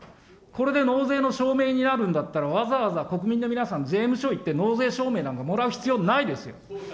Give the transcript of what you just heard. これで納税の証明になるんだったら、わざわざ国民の皆さん、税務署行って納税証明なんかもらう必要ないですよ。